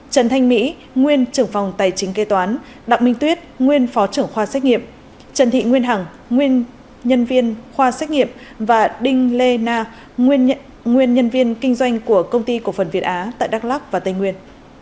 trần thanh mỹ nguyên trưởng phòng tài chính kê toán đặng minh tuyết nguyên phó trưởng khoa xét nghiệm trần thị nguyên hằng nguyên nhân viên khoa xét nghiệm và đinh lê na nguyên nhân viên kinh doanh của công ty cổ phần việt á tại đắk lắc và tây nguyên